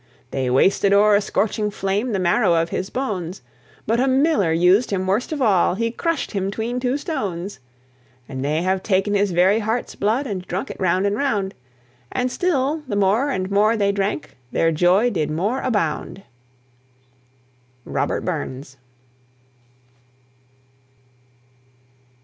They wasted o'er a scorching flame The marrow of his bones; But a miller used him worst of all He crushed him 'tween two stones. And they have taken his very heart's blood, And drunk it round and round; And still the more and more they drank, Their joy did more abound. ROBERT BURNS.